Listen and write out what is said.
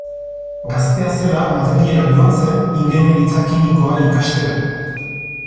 Gaztea zela Madrilera joan zen ingeniaritza kimikoa ikastera.